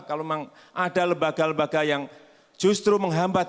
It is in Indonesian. kalau memang ada lembaga lembaga yang justru menghambat